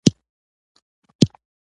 ته به وايې د پټ پټوني لوبه کوي.